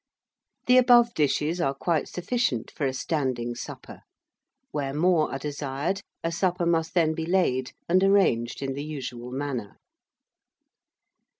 The above dishes are quite sufficient for a standing supper; where more are desired, a supper must then be laid and arranged in the usual manner.